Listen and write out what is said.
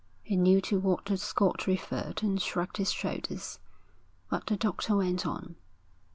He knew to what the Scot referred and shrugged his shoulders. But the doctor went on.